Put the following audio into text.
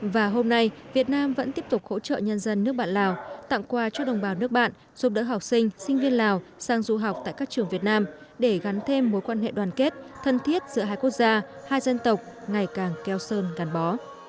và hôm nay việt nam vẫn tiếp tục hỗ trợ nhân dân nước bạn lào tặng quà cho đồng bào nước bạn giúp đỡ học sinh sinh viên lào sang du học tại các trường việt nam để gắn thêm mối quan hệ đoàn kết thân thiết giữa hai quốc gia hai dân tộc ngày càng keo sơn gắn bó